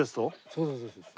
そうそうそうそう。